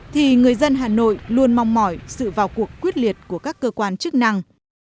thì người dân hà nội luôn mong mỏi sự vào cuộc quyết liệt của các cơ quan chức năng